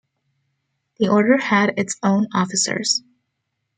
The order had its own officers.